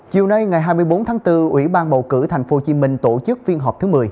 chiều nay ngày hai mươi bốn tháng bốn ủy ban bầu cử tp hcm tổ chức phiên họp thứ một mươi